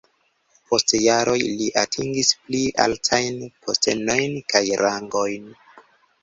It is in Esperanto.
Post jaroj li atingis pli altajn postenojn kaj rangojn.